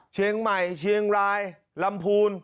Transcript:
เชียงใหม่เชียงรายลำพูน